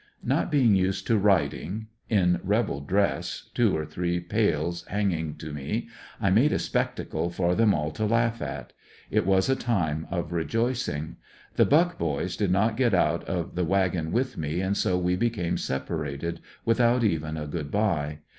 Kot being used to riding, in rebel dress— two or three pails hanging to me — ^T made a spectacle for them all to laugh at. It w^as a time of rejoicing. The Buck boys did not get out of the wag on with me and so we became separated without even a good bye.